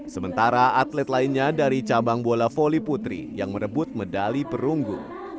sementara atlet lainnya dari cabang bola voli putri yang merebut medali perunggu